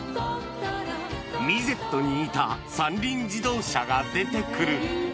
ミゼットに似た三輪自動車が出てくる。